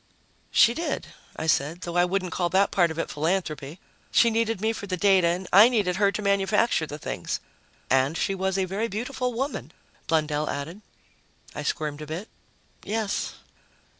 "She did," I said. "Though I wouldn't call that part of it philanthropy. She needed me for the data and I needed her to manufacture the things." "And she was a very beautiful woman," Blundell added. I squirmed a bit. "Yes."